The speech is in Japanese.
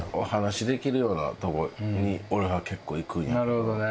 なるほどね。